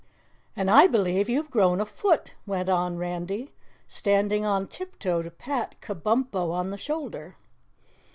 "And I believe you've grown a foot," went on Randy, standing on tiptoe to pat Kabumpo on the shoulder.